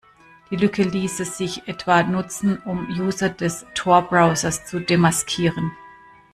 Die Lücke ließe sich etwa nutzen, um User des Tor-Browsers zu demaskieren.